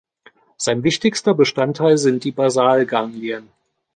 Sein wichtigster Bestandteil sind die Basalganglien.